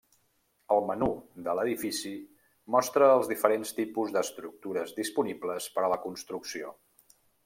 El menú de l’edifici mostra els diferents tipus d’estructures disponibles per a la construcció.